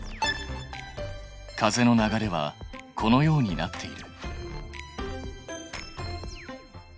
風の流れはこのようになっている。